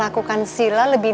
kamu mau jalan di sini